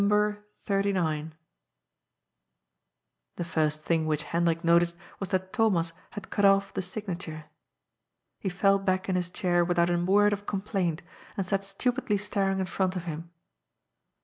The first thing which Hendrik noticed was that Thomas had cut off the signature. He fell back in his chair without a word of complainti and sat stupidly staring in front of him.